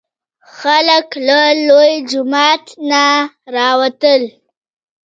خلک له لوی جومات نه راوتل.